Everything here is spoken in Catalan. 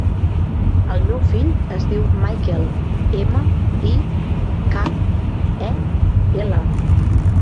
El meu fill es diu Mikel: ema, i, ca, e, ela.